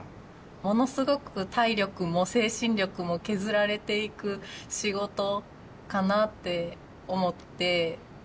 ものすごく体力も精神力も削られていく仕事かなって思って。